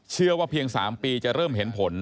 เชื่อว่าเพียง๓ปีจะเริ่มเห็นผล